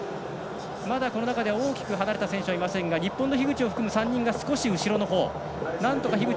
まだ大きく離れた選手はいませんが日本の樋口を含んだ３人が少し後ろのほう。